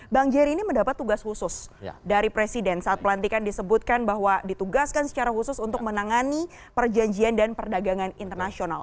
bang jerry ini mendapat tugas khusus dari presiden saat pelantikan disebutkan bahwa ditugaskan secara khusus untuk menangani perjanjian dan perdagangan internasional